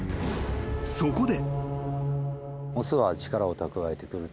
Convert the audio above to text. ［そこで］